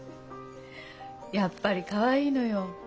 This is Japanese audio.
やっぱりかわいいのよ。